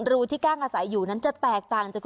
รูที่ก้างอาศัยอยู่นั้นจะแตกต่างจาก